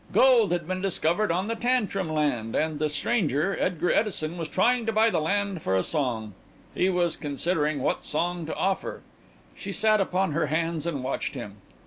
Gold had been discovered on the Tantrum land, and the stranger, Edgar Edison, was trying to buy the land for a song. He was considering what song to offer. She sat upon her hands and watched him.